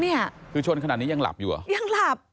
เนี่ยคือชนขนาดนี้ยังหลับอยู่เหรอยังหลับ